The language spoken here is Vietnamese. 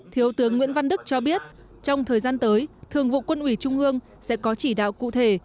thiếu tướng nguyễn văn đức cho biết trong thời gian tới thường vụ quân ủy trung ương sẽ có chỉ đạo cụ thể